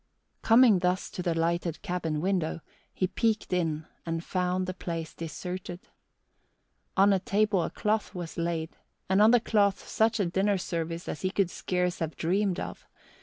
Coming thus to the lighted cabin window, he peeked in and found the place deserted. On the table a cloth was laid, and on the cloth such a dinner service as he could scarce have dreamed of.